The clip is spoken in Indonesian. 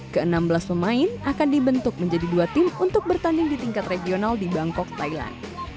ke enam belas pemain akan dibentuk menjadi dua tim untuk bertanding di tingkat regional di bangkok thailand